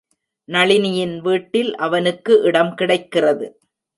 நளினியின் வீட்டில் அவனுக்கு இடம் கிடைக்கிறது.